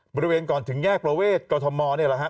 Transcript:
บริเวณก่อนถึงแยกประเวทกรทมนี่แหละฮะ